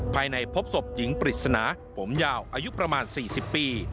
ภายในพบศพหญิงปริศนาผมยาวอายุประมาณ๔๐ปี